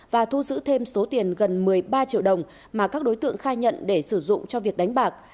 và thu giữ thêm số tiền gần một mươi ba triệu đồng mà các đối tượng khai nhận để sử dụng cho việc đánh bạc